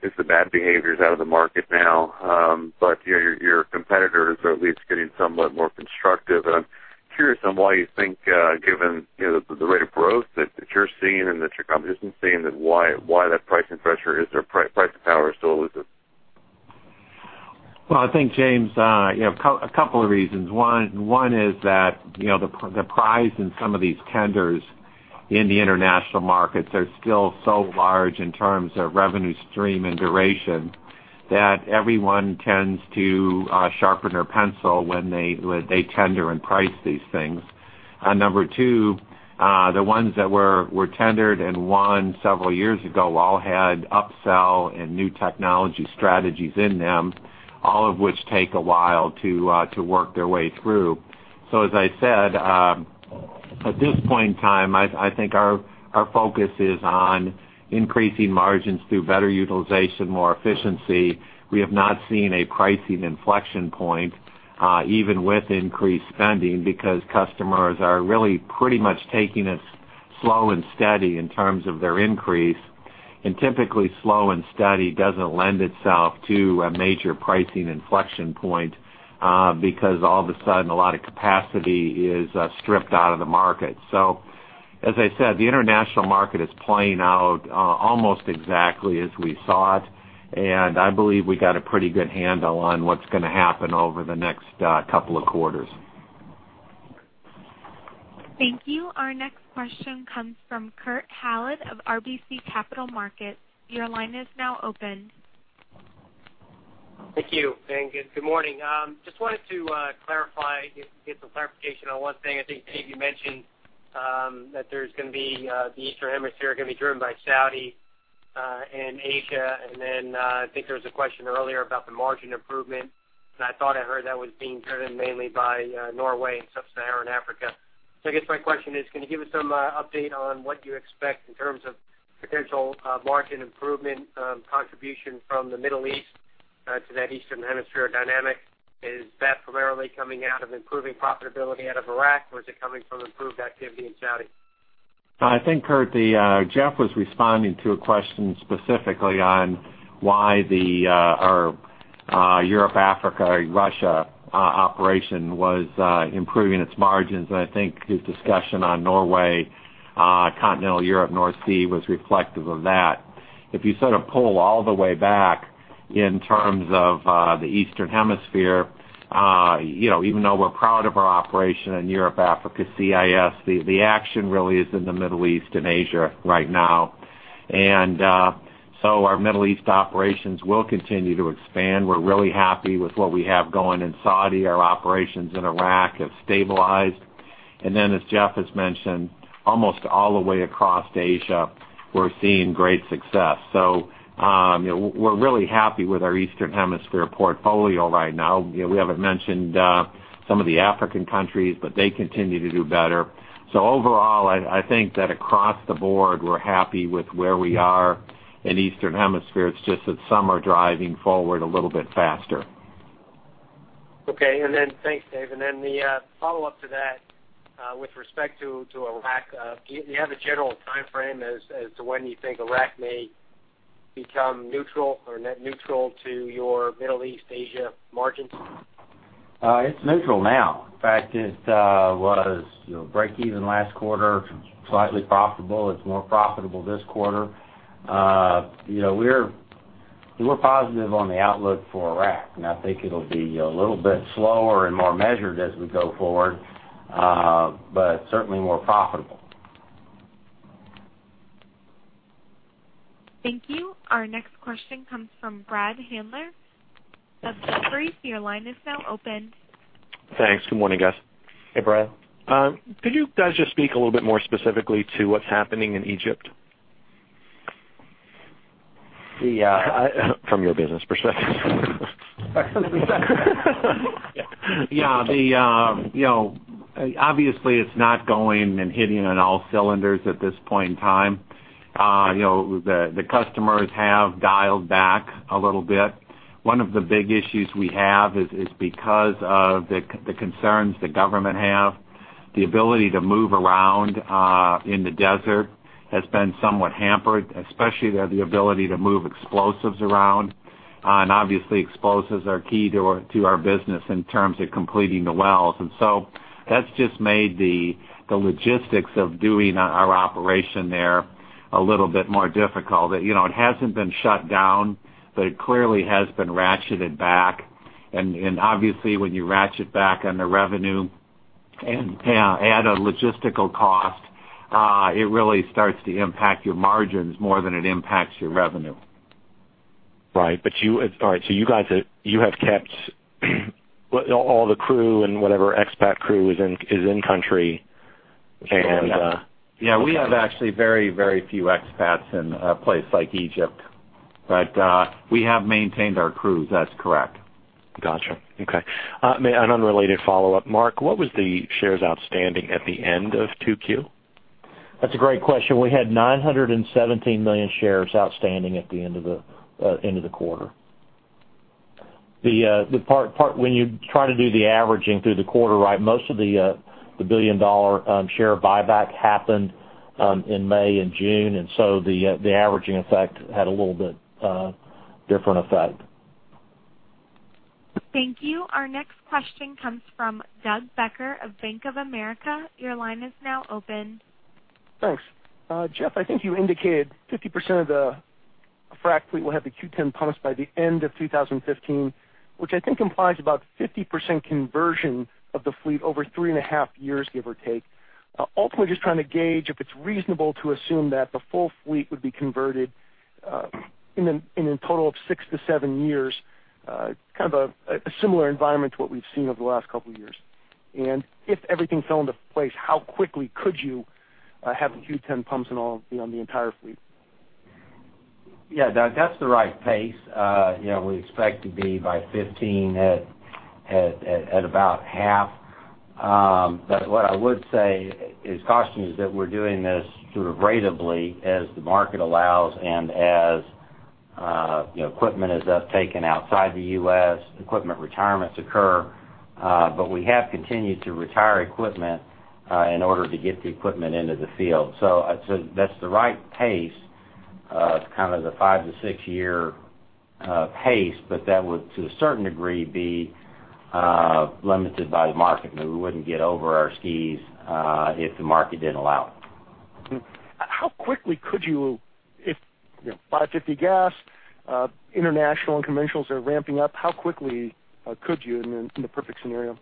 [SPEAKER 10] at least the bad behavior's out of the market now. Your competitor is at least getting somewhat more constructive. I'm curious on why you think given the rate of growth that you're seeing and that your competition's seeing, that is their pricing power still elusive?
[SPEAKER 3] Well, I think, James, a couple of reasons. One is that the prize in some of these tenders in the international markets are still so large in terms of revenue stream and duration, that everyone tends to sharpen their pencil when they tender and price these things. Number two, the ones that were tendered and won several years ago all had upsell and new technology strategies in them, all of which take a while to work their way through. As I said, at this point in time, I think our focus is on increasing margins through better utilization, more efficiency. We have not seen a pricing inflection point even with increased spending because customers are really pretty much taking it slow and steady in terms of their increase. Typically, slow and steady doesn't lend itself to a major pricing inflection point, because all of a sudden, a lot of capacity is stripped out of the market. As I said, the international market is playing out almost exactly as we thought. I believe we got a pretty good handle on what's going to happen over the next couple of quarters.
[SPEAKER 1] Thank you. Our next question comes from Kurt Hallead of RBC Capital Markets. Your line is now open.
[SPEAKER 11] Thank you, good morning. Just wanted to get some clarification on one thing. I think Dave, you mentioned that the Eastern Hemisphere is going to be driven by Saudi and Asia. Then I think there was a question earlier about the margin improvement. I thought I heard that was being driven mainly by Norway and Sub-Saharan Africa. I guess my question is, can you give us some update on what you expect in terms of potential margin improvement contribution from the Middle East to that Eastern Hemisphere dynamic? Is that primarily coming out of improving profitability out of Iraq, or is it coming from improved activity in Saudi?
[SPEAKER 3] I think, Kurt, Jeff was responding to a question specifically on why our Europe, Africa, Russia operation was improving its margins, and I think his discussion on Norway, continental Europe, North Sea was reflective of that. If you sort of pull all the way back in terms of the Eastern Hemisphere, even though we're proud of our operation in Europe, Africa, CIS, the action really is in the Middle East and Asia right now. Our Middle East operations will continue to expand. We're really happy with what we have going in Saudi. Our operations in Iraq have stabilized. Then as Jeff has mentioned, almost all the way across Asia, we're seeing great success. We're really happy with our Eastern Hemisphere portfolio right now. We haven't mentioned some of the African countries, but they continue to do better. Overall, I think that across the board, we're happy with where we are in Eastern Hemisphere. It's just that some are driving forward a little bit faster.
[SPEAKER 11] Thanks, Dave, then the follow-up to that with respect to Iraq. Do you have a general timeframe as to when you think Iraq may become neutral to your Middle East/Asia margins?
[SPEAKER 4] It's neutral now. In fact, it was breakeven last quarter, slightly profitable. It's more profitable this quarter. We're positive on the outlook for Iraq, I think it'll be a little bit slower and more measured as we go forward, but certainly more profitable.
[SPEAKER 1] Thank you. Our next question comes from Brad Handler of Jefferies. Your line is now open.
[SPEAKER 12] Thanks. Good morning, guys.
[SPEAKER 4] Hey, Brad.
[SPEAKER 12] Could you guys just speak a little bit more specifically to what's happening in Egypt?
[SPEAKER 4] The, uh-
[SPEAKER 12] From your business perspective.
[SPEAKER 3] Yeah. Obviously, it's not going and hitting on all cylinders at this point in time. The customers have dialed back a little bit. One of the big issues we have is because of the concerns the government have, the ability to move around in the desert has been somewhat hampered, especially the ability to move explosives around, and obviously explosives are key to our business in terms of completing the wells. That's just made the logistics of doing our operation there a little bit more difficult. It hasn't been shut down, but it clearly has been ratcheted back, and obviously when you ratchet back on the revenue and add a logistical cost, it really starts to impact your margins more than it impacts your revenue.
[SPEAKER 12] Right. You have kept all the crew and whatever expat crew is in country.
[SPEAKER 3] Yeah. We have actually very few expats in a place like Egypt, but we have maintained our crews. That's correct.
[SPEAKER 12] Got you. Okay. An unrelated follow-up. Mark, what was the shares outstanding at the end of two Q?
[SPEAKER 5] That's a great question. We had 917 million shares outstanding at the end of the quarter. When you try to do the averaging through the quarter, most of the billion-dollar share buyback happened in May and June, the averaging effect had a little bit different effect.
[SPEAKER 1] Thank you. Our next question comes from Doug Becker of Bank of America. Your line is now open.
[SPEAKER 13] Thanks. Jeff, I think you indicated 50% of the frac fleet will have the Q10 pumps by the end of 2015, which I think implies about 50% conversion of the fleet over three and a half years, give or take. Ultimately, just trying to gauge if it's reasonable to assume that the full fleet would be converted in a total of six to seven years, kind of a similar environment to what we've seen over the last couple of years. If everything fell into place, how quickly could you have the Q10 pumps on the entire fleet?
[SPEAKER 4] Yeah, Doug, that's the right pace. We expect to be by 2015 at about half. What I would say is cautiously that we're doing this sort of ratably as the market allows and as equipment is thus taken outside the U.S., equipment retirements occur. We have continued to retire equipment in order to get the equipment into the field. That's the right pace of kind of the five to six year pace, but that would, to a certain degree, be limited by the market. We wouldn't get over our skis if the market didn't allow it.
[SPEAKER 13] How quickly could you, if $5.50 gas, international and conventionals are ramping up, how quickly could you in the perfect scenario?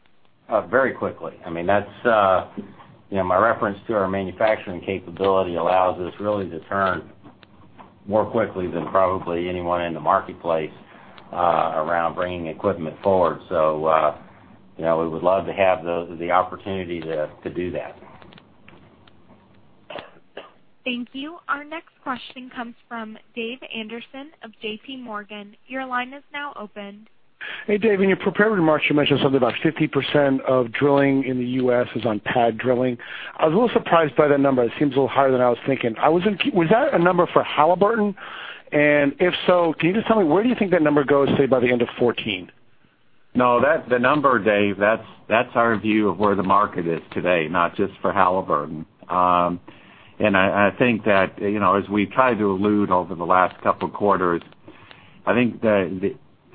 [SPEAKER 3] Very quickly. My reference to our manufacturing capability allows us really to turn more quickly than probably anyone in the marketplace around bringing equipment forward. We would love to have the opportunity to do that.
[SPEAKER 1] Thank you. Our next question comes from Dave Anderson of JMorgan. Your line is now open.
[SPEAKER 14] Hey, Dave. In your prepared remarks, you mentioned something about 50% of drilling in the U.S. is on pad drilling. I was a little surprised by that number. It seems a little higher than I was thinking. Was that a number for Halliburton? If so, can you just tell me where do you think that number goes, say, by the end of 2014?
[SPEAKER 3] No, the number, Dave, that's our view of where the market is today, not just for Halliburton. I think that, as we've tried to allude over the last couple of quarters, I think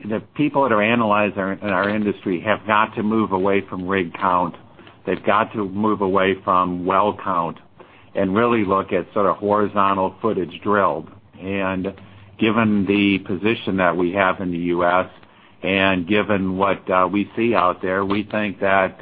[SPEAKER 3] the people that are analyzing our industry have got to move away from rig count. They've got to move away from well count and really look at horizontal footage drilled. Given the position that we have in the U.S., and given what we see out there, we think that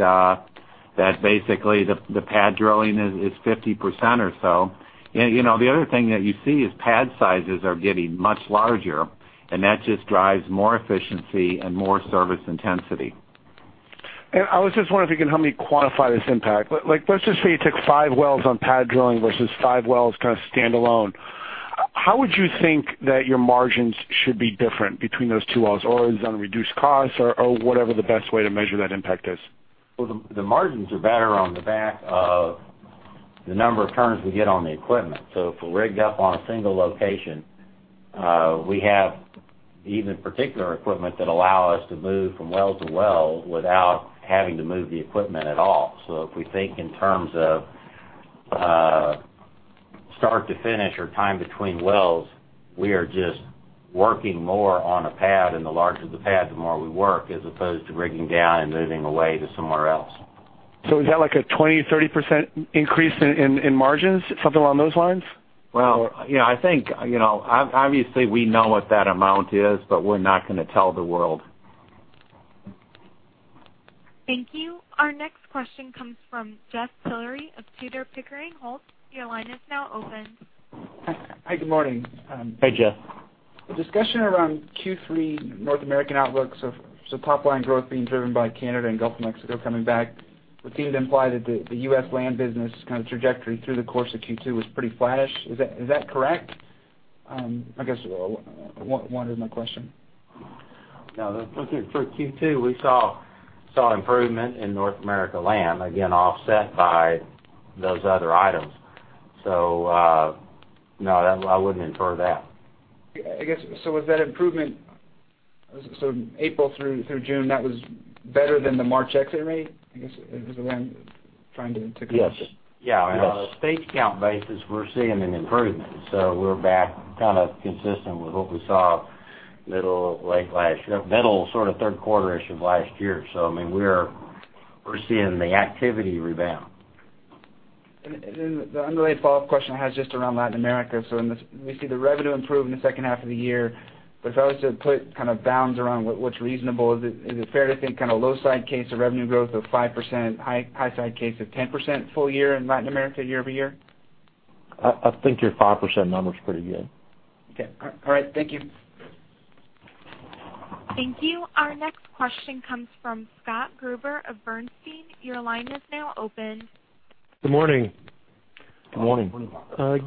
[SPEAKER 3] basically the pad drilling is 50% or so. The other thing that you see is pad sizes are getting much larger, and that just drives more efficiency and more service intensity.
[SPEAKER 14] I was just wondering if you can help me quantify this impact. Let's just say you took five wells on pad drilling versus five wells standalone. How would you think that your margins should be different between those two wells? Or is it on reduced costs or whatever the best way to measure that impact is?
[SPEAKER 3] The margins are better on the back of the number of turns we get on the equipment. If we're rigged up on a single location, we have even particular equipment that allow us to move from well to well without having to move the equipment at all. If we think in terms of start to finish or time between wells, we are just working more on a pad, and the larger the pad, the more we work, as opposed to rigging down and moving away to somewhere else.
[SPEAKER 14] Is that like a 20%-30% increase in margins, something along those lines?
[SPEAKER 3] Obviously we know what that amount is, but we're not going to tell the world.
[SPEAKER 1] Thank you. Our next question comes from Jeff Tillery of Tudor, Pickering, Holt. Your line is now open.
[SPEAKER 15] Hi, good morning.
[SPEAKER 3] Hi, Jeff.
[SPEAKER 15] The discussion around Q3 North American outlook, top line growth being driven by Canada and Gulf of Mexico coming back would seem to imply that the U.S. land business kind of trajectory through the course of Q2 was pretty flattish. Is that correct? I guess, what is my question?
[SPEAKER 3] No, for Q2, we saw improvement in North America land, again, offset by those other items. No, I wouldn't infer that.
[SPEAKER 15] Was that improvement, April through June, that was better than the March exit rate? I guess is the way I'm trying to-
[SPEAKER 3] Yes.
[SPEAKER 5] Yes.
[SPEAKER 3] On a stage count basis, we're seeing an improvement. We're back kind of consistent with what we saw middle, sort of third quarter-ish of last year. We're seeing the activity rebound.
[SPEAKER 15] The underlying follow-up question I had is just around Latin America. We see the revenue improve in the second half of the year, but if I was to put kind of bounds around what's reasonable, is it fair to think kind of low side case of revenue growth of 5%, high side case of 10% full year in Latin America, year-over-year?
[SPEAKER 3] I think your 5% number's pretty good.
[SPEAKER 15] Okay. All right, thank you.
[SPEAKER 1] Thank you. Our next question comes from Scott Gruber of Bernstein. Your line is now open.
[SPEAKER 16] Good morning.
[SPEAKER 3] Good morning.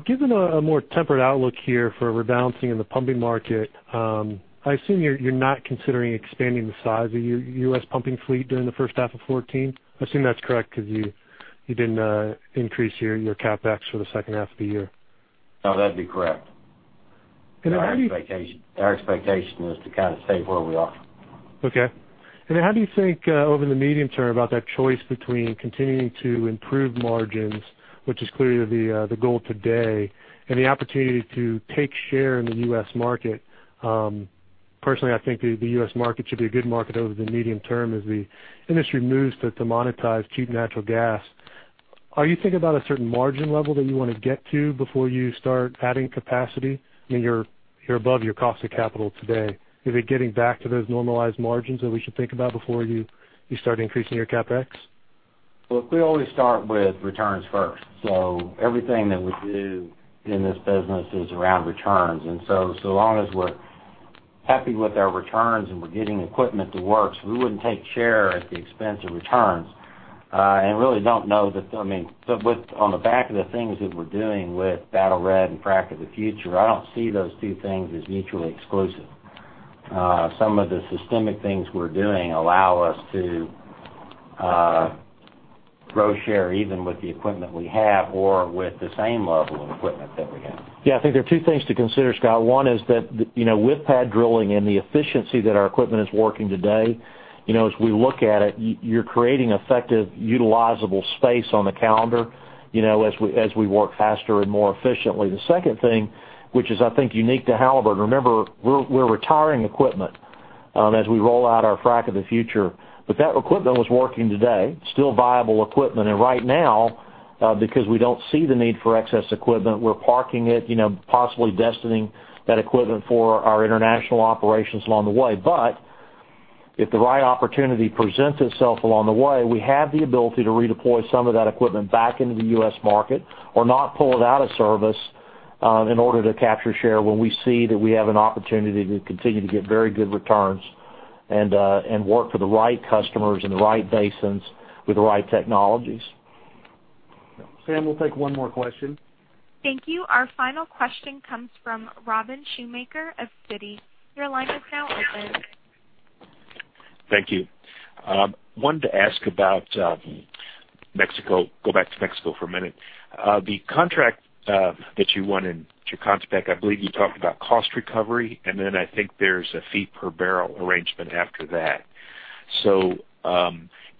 [SPEAKER 16] Given a more tempered outlook here for rebalancing in the pumping market, I assume you're not considering expanding the size of your U.S. pumping fleet during the first half of 2014. I assume that's correct because you didn't increase your CapEx for the second half of the year.
[SPEAKER 3] No, that'd be correct.
[SPEAKER 16] How do
[SPEAKER 3] Our expectation is to kind of stay where we are.
[SPEAKER 16] Okay. How do you think over the medium term about that choice between continuing to improve margins, which is clearly the goal today, and the opportunity to take share in the U.S. market? Personally, I think the U.S. market should be a good market over the medium term as the industry moves to monetize cheap natural gas. Are you thinking about a certain margin level that you want to get to before you start adding capacity? You're above your cost of capital today. Is it getting back to those normalized margins that we should think about before you start increasing your CapEx?
[SPEAKER 3] Look, we always start with returns first. Everything that we do in this business is around returns. As long as we're happy with our returns and we're getting equipment that works, we wouldn't take share at the expense of returns. Really don't know, on the back of the things that we're doing with Battle Red and Frac of the Future, I don't see those two things as mutually exclusive. Some of the systemic things we're doing allow us to grow share even with the equipment we have or with the same level of equipment that we have.
[SPEAKER 5] Yeah, I think there are two things to consider, Scott. One is that with pad drilling and the efficiency that our equipment is working today, as we look at it, you're creating effective utilizable space on the calendar as we work faster and more efficiently. The second thing, which is I think unique to Halliburton, remember, we're retiring equipment as we roll out our Frac of the Future. That equipment was working today, still viable equipment. Right now. Because we don't see the need for excess equipment, we're parking it, possibly destining that equipment for our international operations along the way. If the right opportunity presents itself along the way, we have the ability to redeploy some of that equipment back into the U.S. market or not pull it out of service in order to capture share when we see that we have an opportunity to continue to get very good returns and work for the right customers in the right basins with the right technologies.
[SPEAKER 2] Sam, we'll take one more question.
[SPEAKER 1] Thank you. Our final question comes from Robin Shoemaker of Citigroup. Your line is now open.
[SPEAKER 17] Thank you. Wanted to ask about Mexico, go back to Mexico for a minute. The contract that you won in Chicontepec, I believe you talked about cost recovery, and then I think there's a fee per barrel arrangement after that.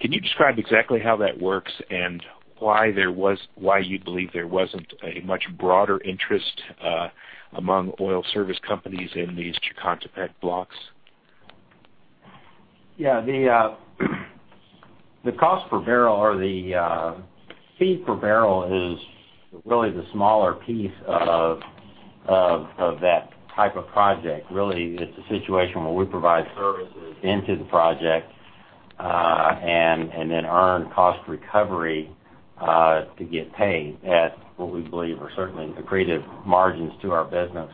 [SPEAKER 17] Can you describe exactly how that works and why you believe there wasn't a much broader interest among oil service companies in these Chicontepec blocks?
[SPEAKER 5] Yeah. The cost per barrel or the fee per barrel is really the smaller piece of that type of project. It's a situation where we provide services into the project, and then earn cost recovery, to get paid at what we believe are certainly accretive margins to our business.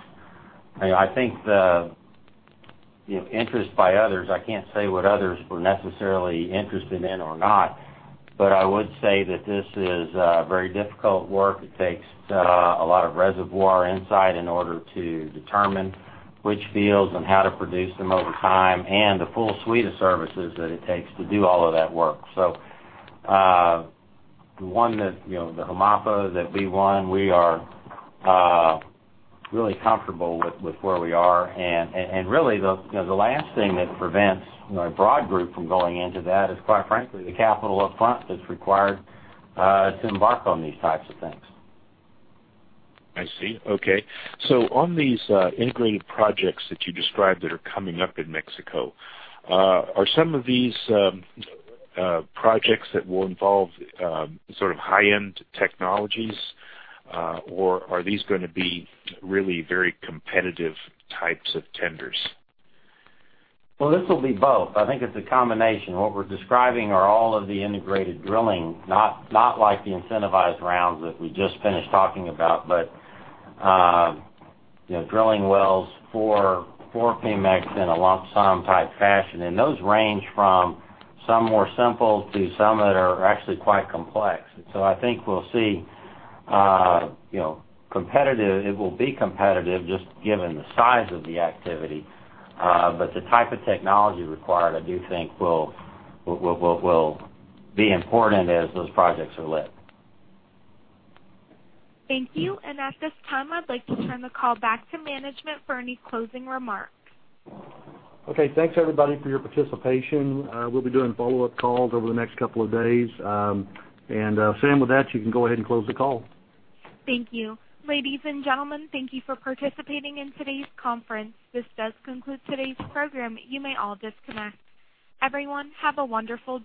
[SPEAKER 5] I think the interest by others, I can't say what others were necessarily interested in or not, I would say that this is very difficult work. It takes a lot of reservoir insight in order to determine which fields and how to produce them over time, and the full suite of services that it takes to do all of that work. The one that, the Jumapa that we won, we are really comfortable with where we are. Really, the last thing that prevents a broad group from going into that is, quite frankly, the capital upfront that's required to embark on these types of things.
[SPEAKER 17] I see. Okay. On these integrated projects that you described that are coming up in Mexico, are some of these projects that will involve sort of high-end technologies? Or are these gonna be really very competitive types of tenders?
[SPEAKER 5] This will be both. I think it's a combination. What we're describing are all of the integrated drilling, not like the incentivized rounds that we just finished talking about, but drilling wells for Pemex in a lump sum type fashion. Those range from some more simple to some that are actually quite complex. So I think we'll see competitive. It will be competitive just given the size of the activity. But the type of technology required, I do think will be important as those projects are let.
[SPEAKER 1] Thank you. At this time, I'd like to turn the call back to management for any closing remarks.
[SPEAKER 2] Okay. Thanks, everybody, for your participation. We'll be doing follow-up calls over the next couple of days. Sam, with that, you can go ahead and close the call.
[SPEAKER 1] Thank you. Ladies and gentlemen, thank you for participating in today's conference. This does conclude today's program. You may all disconnect. Everyone, have a wonderful day.